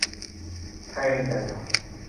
แทงใจดำ